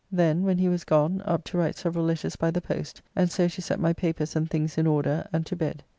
Then (when he was gone) up to write several letters by the post, and so to set my papers and things in order, and to bed.